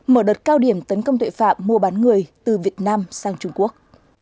mở đợt cao điểm tấn công tội phạm mua bán người từ việt nam sang trung quốc